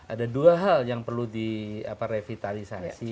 ada dua hal yang perlu di revitalisasi